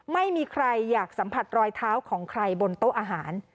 ไม่มีใครอยากสัมผัสรอยเท้าของใครบนโต๊ะอาหาร